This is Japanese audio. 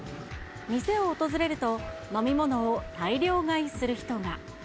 店を訪れると、飲み物を大量買いする人が。